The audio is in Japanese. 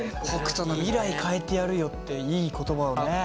北斗の「未来変えてやるよ」っていい言葉だね。